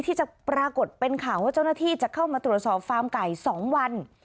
ที่จะปรากฏเป็นข่าวว่าเจ้าหน้าที่จะเข้ามาตรวจสอบฟาร์มไก่๒วัน